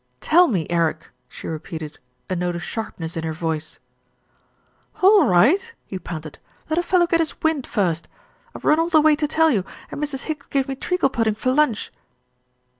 "Tell me, Eric," she repeated, a note of sharp ness in her voice. "All right," he panted. "Let a fellow get his wind first. I've run all the way to tell you, and Mrs. Higgs gave me treacle pudding for lunch."